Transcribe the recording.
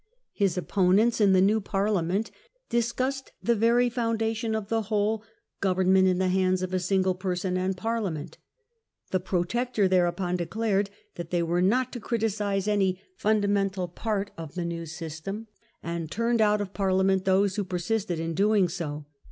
His opponents in the new Parliament discussed the very foundation of the whole, " government in the hands of a single person and Parliament ". The Protector thereupon declared that they were not to criticise any " fundamen tal " part of the new scheme, and turned out of Parlia ment those who persisted in doing so.